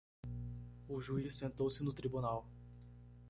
O juiz sentou-se no tribunal.